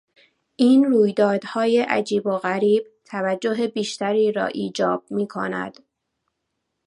این رویدادهای عجیب و غریب توجه بیشتری را ایجاب میکند.